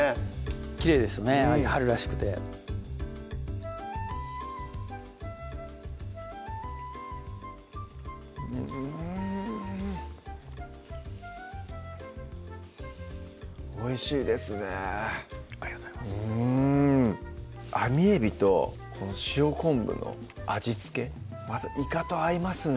きれいですね春らしくてうんおいしいですねありがとうございますあみえびと塩昆布の味付けまたいかと合いますね